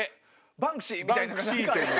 バンクシーみたいな何か。